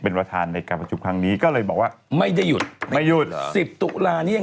เป็นวัฒนในประชุมครั้งตั้งประกาศนี้